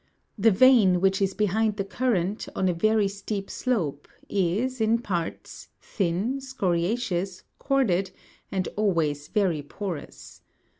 The vein, which is behind the current, on a veiy steep slope, is, in parts, thin, scoriaceous, corded, and always very porous.